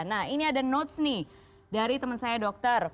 nah ini ada notes nih dari teman saya dokter